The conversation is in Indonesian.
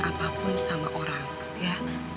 apapun sama orang ya